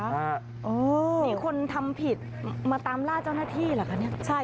มีคนทำผิดมาตามล่าเจ้าหน้าที่เหรอครับ